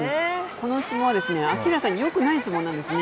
この相撲は明らかによくない相撲なんですね。